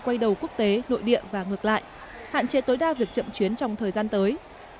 quay đầu quốc tế nội địa và ngược lại hạn chế tối đa việc chậm chuyến trong thời gian tới